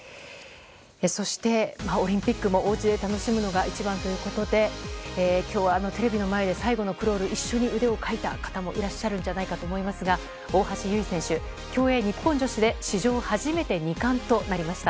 そして、オリンピックもおうちで楽しむのが一番ということで今日はテレビの前で最後のクロール一緒に腕をかいた方もいらっしゃると思いますが大橋悠依選手、競泳日本女子で史上初めて２冠となりました。